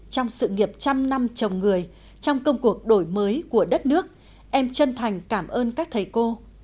trong sự nghiệp trăm năm chồng người trong công cuộc đổi mới của đất nước em chân thành cảm ơn các thầy cô